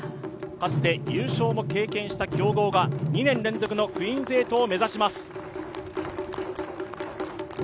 かつて優勝も経験した強豪が２年連続のクイーンズ８を目指します。